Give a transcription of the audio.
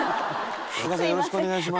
お母さんよろしくお願いします。